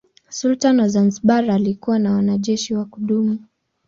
Sultani wa Zanzibar alikuwa na wanajeshi wa kudumu.